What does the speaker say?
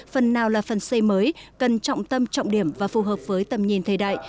phần nào là phần xây mới cần trọng tâm trọng điểm và phù hợp với tầm nhìn thời đại